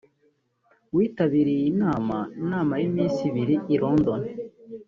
witabiriye iyi nama nama y’iminsi ibiri i London